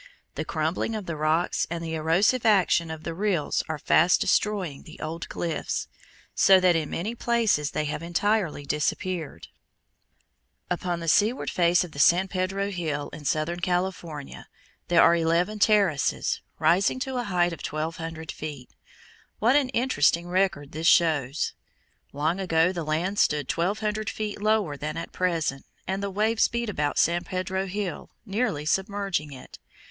The crumbling of the rocks and the erosive action of the rills are fast destroying the old cliffs, so that in many places they have entirely disappeared. [Illustration: FIG. 34. OCEAN CAVE AT LOW TIDE Pebbles of a former beach are seen above] Upon the seaward face of San Pedro Hill, in southern California, there are eleven terraces, rising to a height of twelve hundred feet. What an interesting record this shows! Long ago the land stood twelve hundred feet lower than at present, and the waves beat about San Pedro Hill, nearly submerging it.